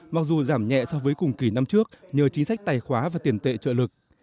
mặc dù giảm nhẹ so với cùng kỳ năm trước nhờ chính sách tài khoá và tiền tệ trợ lực